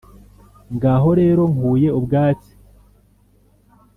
ngaho rero nkuye ubwatsi